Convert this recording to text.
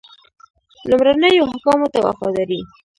لومړنیو احکامو ته وفاداري.